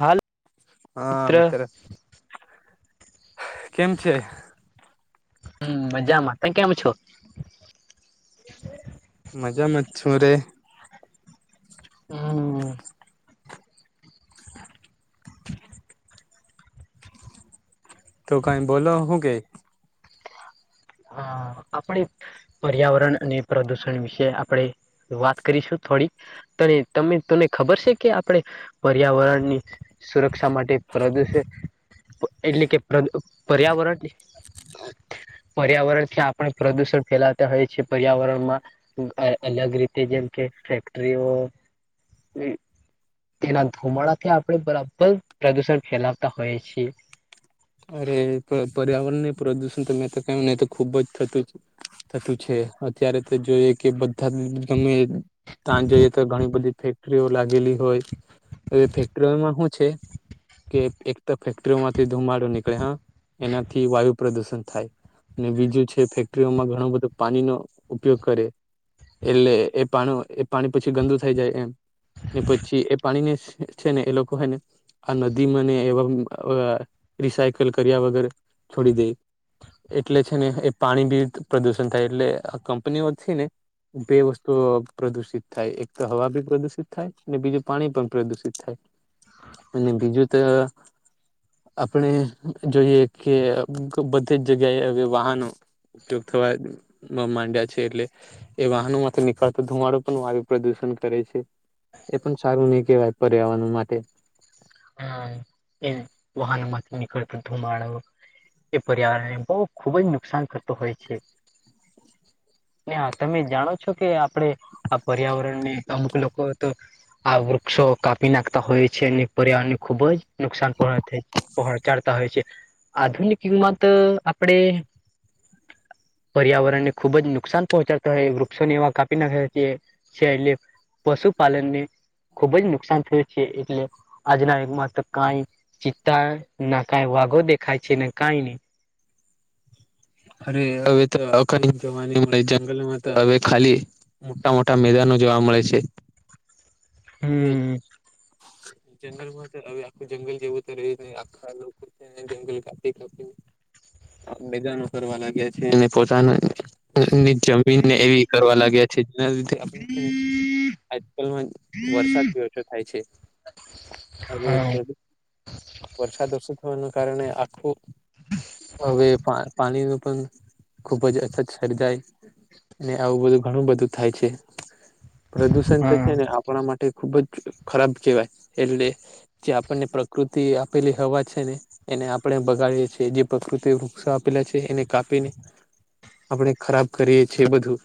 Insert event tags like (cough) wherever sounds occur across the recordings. હાલ હા મિત્ર કેમ છે? હમ મજામાં ત કેમ છો? (inaudible) મજા મત છું રે. હા તો કઈ બોલો હું કે?? હા આપણે? પર્યાવરણ અને પ્રદૂષણ વિશે આપણે વાત કરીશું થોડીક-' તને તમે તને ખબર છે કે આપણે પર્યાવરણની સુરક્ષા માટે પ્રદૂષિત એટલે કે પર્યા પર્યાવરણ, પર્યાવરણ થી આપણે પ્રદુષણ ફેલાતા હોઇએ છીએ. પર્યાવરણમાં અલગ રીતે જેમ કે ફેક્ટરીઓ હમ્મ. તેના ધુમાડાથી આપણે બરાબર પ્રદુષણ ફેલાવતા હોઈએ છીએ. અરે પર્યાવરણ ને પ્રદુષણ તો મેં તો કહ્યું ને તો ખુબ જ થતું છે. થતું છે અત્યારે તો જોઈએ કે પદ તમે તમે તા જોઇએ તો ઘણી બધી ઇફેક્ટ ફેકરીઓ લાગેલી હોય હવે ફેક્ટરીઓમાં શું છે.? કે એક તો ફેક્ટરીઓમાંથી ધુમાડો નીકળે હા એનાથી વાયુ પ્રદુષણ થાય. અને બીજું છે ફેક્ટરીઓમાં ઘણું બધું પાણી નો ઉપયોગ કરે. એટલે એ પાણી એ પાણી પછી ગંદુ થઈ જાય એમ. ને પછી એ પાણીને છે ને એ લોકો હે ને? આ નદી મને એવા રિસાયકલ કર્યા વગર છોડી દે. એટલે છે ને એ પાણી બી પ્રદુષણ થાય એટલે આ કંપનીઓ છે ને? બે વસ્તુ પ્રદુષિત થાય એક તો હવા ભી પ્રદુષિત થાય અને બીજું પાણી પણ પ્રદુષિત થાય. અને બીજું તો આપણે જોઈએ કે બધી જ જગ્યાએ હવે વાહનો ઉપયોગ થવા માંડ્યા છે. એટલે? એ વાહનો માંથી નીકળતો ધુમાડો પણ વાયુ પ્રદુષણ કરે છે. એ પણ સારું નહી કહેવાય પર્યાવરણ માટે હમ્મ એ વાહનમાંથી નીકળતો ધુમાડો એ પર્યાવરણને બહુ ખુબ જ નુકસાન કરતો હોય છે. હા તમે જાણો છો કે આપડે આ પર્યાવરણને અમુક લોકો તો આ વૃક્ષો કાપી નાખતા હોય છે. પર્યાવારણને ખુબ જ નુકસાન પહો પહોચાડતા હોય છે. આધુનિક કિંમત અ આપણે, પર્યાવરણ ને ખુબ જ નુકસાન પહોંચાડતો હોય, વૃક્ષોને એવા કાપી નાખ્યા છીએ છે એટલે પશુપાલનને ખુબ જ નુકસાન થયું છે. એટલે આજના યુગ મા તો કાઈ ચિત્તા ના કાઈ વાઘો દેખાય છે ને કાઈ નહી અરે હવે તો અકાની જવાની મળે જંગલમાં તો હવે ખાલી મોટા મોટા મેદાનો જોવા મળે છે. અરે હમ (unintelligible) જંગલ માં તો હવે આખું જંગલ જેવું તો રહી આખા લોકો છે જંગલ કાપી કાપી મેદાનો કરવા લાગ્યા છે અને પોતાના પસંદગી જમીન ને એવી કરવા લાગ્યા છે જેના લીધે આપણેે છે ને આજકાલમાં વરસાદ ભી ઓછો થાય છે. અને હા વરસાદ ઓછું થવાનું કારણે આખું હવે પાચ એનું પણ ખુબ જ અછત સર્જાય અને આવું બધું ઘણું બધું થાય છે. પ્રદુષણ તો હા છે ને આપણા માટે ખુબ જ ખરાબ કેહેવાય એટલે જે આપણને પ્રકૃતિ આપેલી હવા છે ને એને આપણેે બગાડીએ છીએ જે પ્રકૃતિ વૃક્ષા આપેલા છે એને કાપીને આપણે ખરાબ કરીએ છીએ બધું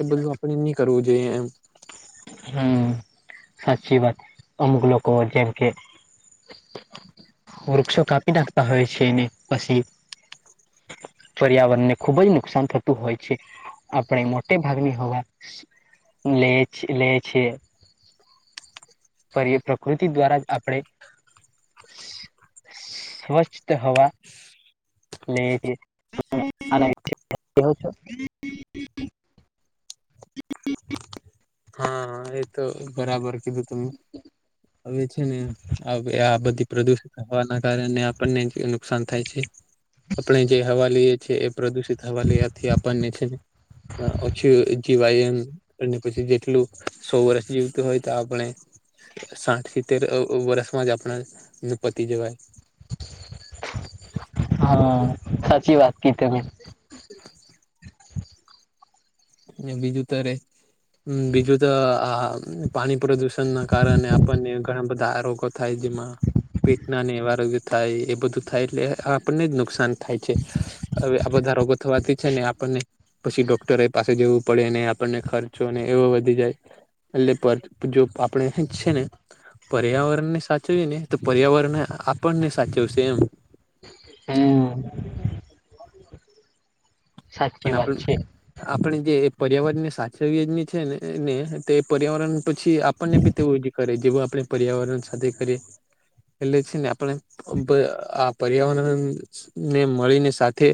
એ બધું પણ એ નહી કરવું જોઈએ એમ. હમ્મ સાચી વાત અમુક લોકો જેમ કે વૃક્ષો કાપી નાખતા હોય છે એને પછી પર્યાવરણને ખુબ જ નુકસાન થતું હોય છે. આપણે મોટે ભાગની હોવા લે છે લે છે. પર પ્રકૃતિ દ્વારા જ આપણેે સ્વચ્છ હવા (inaudible) હા એ તો બરાબર કીધું તમે હવે છે ને આ બધી પ્રદુષિત હવાના કારણે આપણને નુકસાન થાય છે. આપણે જે હવા લેયએ છીએ પ્રદુષિત હવા લેવાથી આપણને છે ને ઓછી જીવાય એમ અને પછી જે ટલું સો વરશ જીવતો હોય તો આપણે સાઠ સિત્તેર વરસમાં જ આપણા પતિ જવાય હા સાચી વાત કીધી તમે (inaudible) બીજુ અત્યારે બીજુ તોઆ પાણી પ્રદુષણ ના કારણે આપણને ઘણા બધા રોગો થાય જેમાં પેટ ના ને એવા રોગ થાય એ બધું થાય એટલે આપણને જ નુકસાન થાય છે. હવે આ બધા રોગો થવાથી છે ને આપણને પછી ડોક્ટરે પાસે જવું પડે ને આપણને ખર્ચો ને એવો વધી જાય એટલે જો આપણે જ છે ને પર્યાવરણને સાચવીએ ને તો પર્યાવરણને આપણને સાચવશે એમ હમ સાચી પણ વાત આપણું છે આપણે જે પર્યાવરણ ની સાચવીની છે ને ને તે પર્યાવરણ પછી આપણને જ કરે જેવ આપણે પર્યાવરણ સાથે કરીએ એટલે છે ને આપણે આ પર્યાવરણ ને મળીને સાથે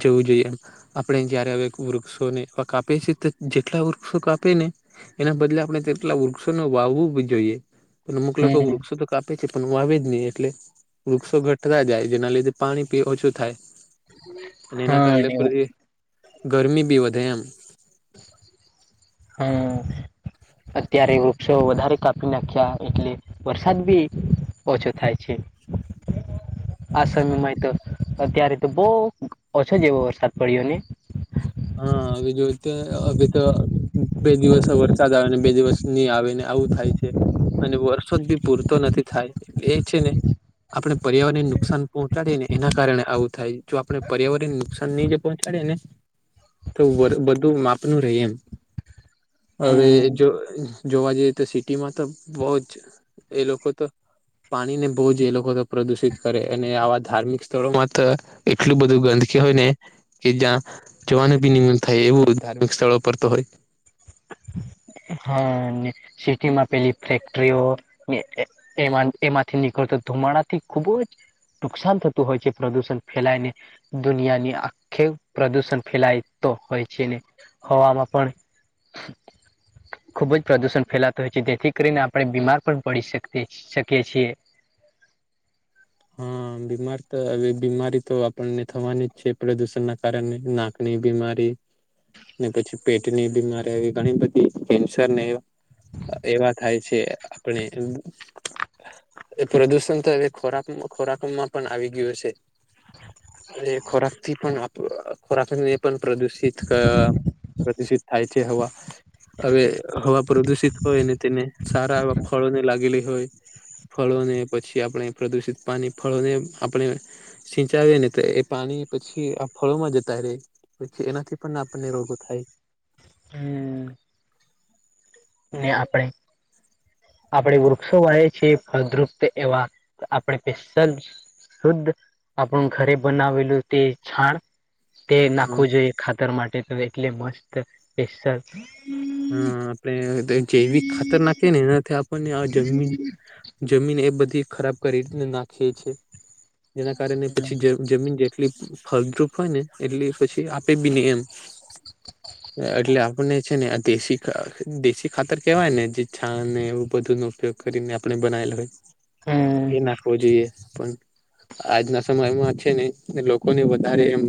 જવું જોઈએ એમ આપણે જયારે હવે વૃક્ષોને કાપે તો જેટલા વૃક્ષો કાપે ને એના બદલે આપણે તેટલા વૃક્ષોને વાવવું જોઈએ પણ અમુક લોકો હમ વૃક્ષો તો કાપે છે પણ વાવે જ નહી એટલે વૃક્ષો ઘટતા જાય જેના લીધે પાણી ઓછું થાય અને એના કારણે પછી ગરમી બી વધે એમ હમ અત્યારે વૃક્ષો વધારે કાપી નાખ્યા એટલે વરસાદ બી ઓછો થાય છે. આ સમયમાં તો અત્યારે તો બહુ ઓછો જ એવો વરસાદ પડ્યો ને? હા હવે જોઈ તો હજી તો બે દિવસ વરસાદ આવે ને બે દિવસ નહી આવે ને આવું થાય છે. અને વર્ષો બી પૂરતો નથી થાય એ છે ને આપણે પર્યાવરણને નુકસાન પહોંચાડી ને એના કારણે આવું થાય જો આપણે પર્યાવરણ નુકસાન ની જ પહોંચાડીએ ને તો વા બધું માપનું રહે એમ. હવે જો જોવા જઈએ તો સિટીમાં તો બો જ એ લોકો તો પાણી ને બહુ જ એ લોકો તો પ્રદુષિત કરે એ ને આવા ધાર્મિક સ્થળોમાં તો એટલું બધું ગંદકી હોય ને કે જ્યાં જોવાનું બી ની મન થાય એવું ધાર્મિક સ્થળો પર તો હોય. હા ને સિટી માં પેલી ફેક્ટરીઓ ને એ એમાં એમાંથી નીકળતો ધુમાડા થી ખુબ જ નુકસાન થતું હોય છે પ્રદુષણ ફેલાય ને દુનિયાની આખે પ્રદુષણ ફેલાય તો હોય છે ને હવામાં પણ ખુબ જ પ્રદુષણ ફેલાતો હોય છે જેથી કરીને આપણે બીમાર પણ પડી શકતે છે શકીએ છીએ. હા બીમાર તો હવે બીમારી તો આપણને થવાની જ છે પ્રદુષણ ના કારણે ના ને એ બીમારી ને પછી પેટની બીમારી આવી ઘણી બધી કેન્સર ને એવા થાય છે આપણે (unintelligible) એ પ્રદૂષણ તો એવી ખોરાક મા ખોરાકમાં પણ આવી ગયો છે એ ખોરાક થી પણ અપ ખોરાક ને પણ પ્રદુષિત કા પ્રદૂષિત થાય છે હવા. હવે હવા પ્રદુષિત હોય ને તેને સારા એવા ફળો ને લાગેલી હોય ફળોને પછી આપણે પ્રદુષિત પાણી ફળોને આપણે સિંચાવી ને તો એ પાણી પછી આ ફળો માં જતા રહેે. પછી એનાથી પણ આપણને રોગો થાય. હમ્મ. ને આપણે આપડે વૃક્ષો વાવીએ છીએ ફળદુપ્ત એવા આપણે (unintelligible) શુદ્ધ આપણું ઘરે બનાવેલું તે છાણ તે હા નાખવું જોઈએ ખાતર માટે તો એટલે મસ્ત (unintelligible) હા આપણે જૈવિક ખાતર નાખીએ ને એનાથી આપણને આ જમીન જમીન એ બધી ખરાબ કરી (unintelligible) નાખીએ છે. જેના કારણે પછી જ જમીન જેટલી ફળદ્રુપ હોય ને એટલી પછી આપે બી નહી એમ. આ એટલે આપણને છે ને દેશી દેશી ખાતર કેવાય ને જે છાણ ને એવું બધું નો ઉપયોગ કરીને આપણે બનાવેલા હોય હમ એ નાખવો જોઈએ. પણ આજના સમયમાં છે ને લોકોને વધારે એમ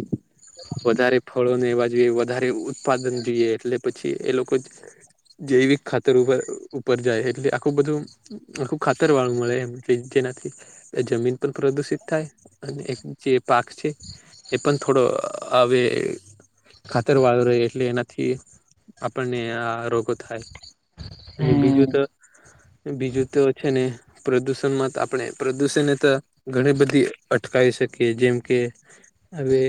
વધારે ફળોને એવા જોઈએ વધારે ઉત્પાદન જોઈએ એટલે પછી એ લોકો જૈવિક ખાતર ઉપર ઉપર જાય એટલે આખું બધું આખુંબ ખાતર વાળું મળે એમ જેનાથી જમીન પણ પ્રદુષિત થાય અને એક જે પાક છે એ પણ થોડો હવે ખાતર વાળો રહે એટલે એનાથી આપણને આ રોગો થાય અને બીજું હમ તો બીજું તો છે ને પ્રદૂષણમાં તો આપણે પ્રદૂષણને તો ઘણી બધી અટકાવી શકીએ જેમ કે હવે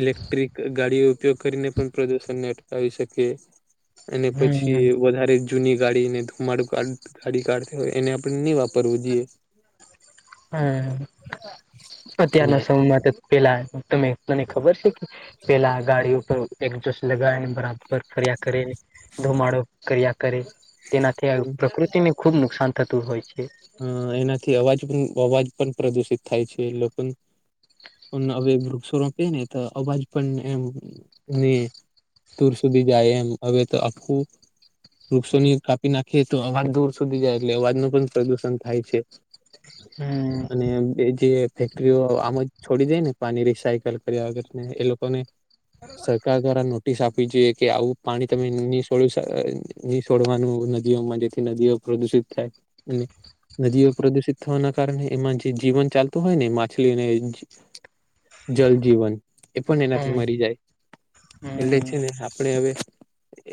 ઇલેક્ટ્રિક ગાડીઓ ઉપયોગ કરીને પણ પ્રદુષણને અટકાવી શકીયે. અને પછી હમ વધારે જૂની ગાડી ને ધુમાડો ગાડી કાઢતી હોય એને આપણે નહી વાપરવું જોઈએ. હમ્મ અને અત્યારના સમયમાં તો પેલા તમે મને ખબર છે કે પેલા ગાડી ઉપર એક જોશ લગાવ ને બરાબર ફરિયા કરી ધુમાડો કર્યા કરે તેનાથી પ્રકૃતિને ખુબ નુકસાન થતું હોય છે. હમ્મ એનાથી અવાજ અવાજ પણ પ્રદુષિત થાય છે લોકો હવે વૃક્ષો રોપે ને તો અવાજ પણ એમ ને. દૂર સુધી જાય એમ હવે તો આખું વૃક્ષોની કાપી નાખીએ તો અવાજ દૂર સુધી જાય એટ અવાજ નો પણ પ્રદૂષણ થાય છે. હમ્મ અને એ જે ફેક્ટરીઓ આમ જ છોડી દે ને પાણી રિસાયકલ કર્યા વગરને એ લોકોને સરકાર દ્વારા નો નોટિસ આપવી જોઈએ કે આવું પાણી તમે નહી સોડ્યું ન છોડવાનું નદીઓમાં જેથી નદીઓ પ્રદૂષિત થાય અને નદીઓ પ્રદુષિત થવાના કારણે એમાં જે જીવન ચાલતું હોય ને માછલીને જલ જીવન એ પણ એનાથી હમ મરી જાય એટલે હમ છે ને આપણે હવે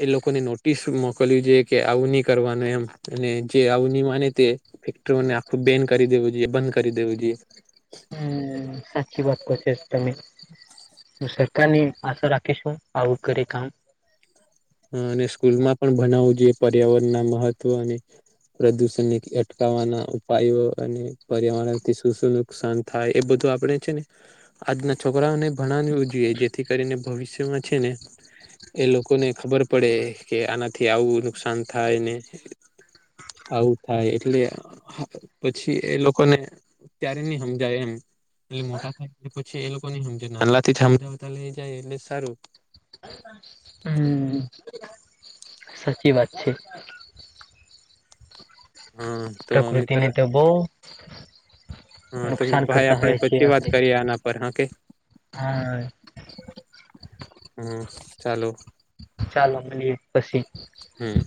એ લોકોને નોટિસ મોકલ્યું જોઈ કે આવની કરવાનું એમ અને જે આવુ ની અને તે ફેક્ટરીઓને આખું બેન કરી દેવું જોઈએ બંધ કરી દેવું જોઈએ હમ્મ સાચી વાત કરશે તમે હું સરકારની આશા રાખીશું આવું કરી કામ અને સ્કૂલ માં પણ ભનાવવું જોઈએ પર્યાવરણ ના મહત્વ અને પ્રદૂષણ ને અટકાવવાના ઉપાયો અને પર્યાવરણથી શુ શુ નુકસાન થાય એ બધું આપણે છે ને આજના છોકરાઓને ભણાવવું જોઈએ જેથી કરીને ભવિષ્યમાં છે ને એ લોકોને ખબર પડે કે આનાથી આવું નુકસાન થાય ને આવું થાય એટલે પછી એ લોકોને ત્યારે નહી સમજાય એમ એટલે મોટા થાય પછી એ લોકો ની હમજે નાલા થી હમજાવ તા લે એ જાય એટલે સારું હમ્મ સાચી વાત છે હા તો પ્રકૃતિ મિત્ર ને તો બહ હા તો ભાઈ આપણે છે પછી વાત આપણે કરીએ આના પર હા કે હા હમ્મ ચાલો ચાલો મળએ પછી હમ્મ